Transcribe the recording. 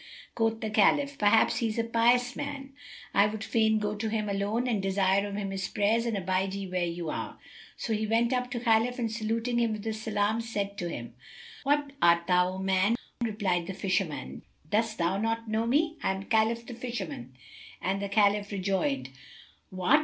Quoth the Caliph, "Perhaps he is a pious man[FN#279]; I would fain go to him, alone, and desire of him his prayers; and abide ye where you are." So he went up to Khalif and saluting him with the salam said to him, "What art thou, O man?" Replied the fisherman, "Dost thou not know me? I am Khalif the Fisherman;" and the Caliph rejoined, "What?